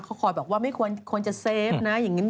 เขาคอยบอกว่าไม่ควรจะเซฟนะอย่างนี้